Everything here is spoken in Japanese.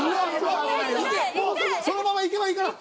そのままいけばいいから。